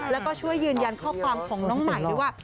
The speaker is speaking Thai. แล้วก็ช่วยยืนยันข้อความของน้องใหม่ด้วยว่า